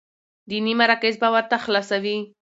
ديني مراکز به ورته خلاصوي،